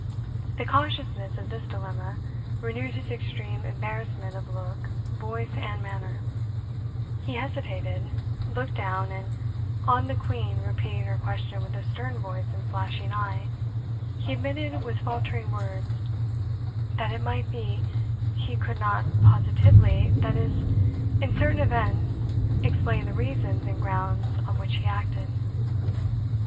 The consciousness of this dilemma renewed his extreme embarrassment of look, voice, and manner; he hesitated, looked down, and on the Queen repeating her question with a stern voice and flashing eye, he admitted with faltering words, "That it might be he could not positively that is, in certain events explain the reasons and grounds on which he acted."